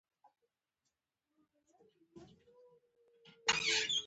د رسنیو د خپرونو موخه د پوهاوي لوړول دي.